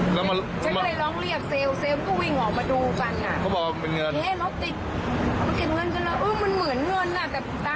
ฉันก็เลยลองเรียกเซลสพี่ของเขาก็วิ่งออกมาดูบัน